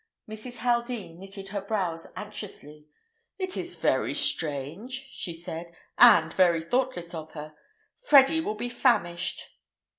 Mrs. Haldean knitted her brows anxiously. "It is very strange," she said, "and very thoughtless of her. Freddy will be famished."